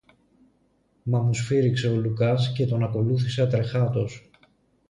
Μα μου σφύριξε ο Λουκάς και τον ακολούθησα τρεχάτος.